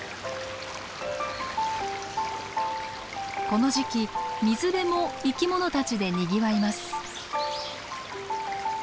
この時期水辺も生き物たちでにぎわいます。